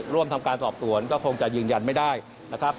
ร่วมทำการสอบสวนก็คงจะยืนยันไม่ได้นะครับ